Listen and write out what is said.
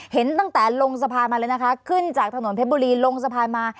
เห็นตั้งแต่ลงสะพานมาเลยนะคะขึ้นจากถนนเพชรบุรีลงสะพานมา